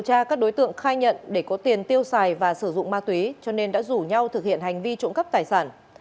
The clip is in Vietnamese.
điều tra các đối tượng khai nhận để có tiền tiêu xài và sử dụng ma túy cho nên đã rủ nhau thực hiện hành vi trộm cắp tài sản